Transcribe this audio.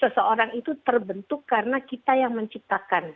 seseorang itu terbentuk karena kita yang menciptakan